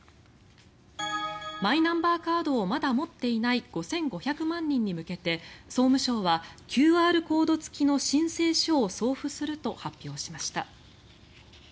マイナンバーカードをまだ持っていない５５００万人に向けて総務省はＱＲコード付きの申請書を送付すると発表しました。